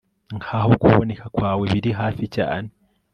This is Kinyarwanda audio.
nkaho kuboneka kwawe biri hafi cyane